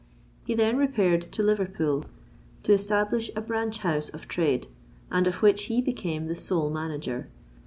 He then repaired to Liverpool, to establish a branch house of trade, and of which he became the sole manager.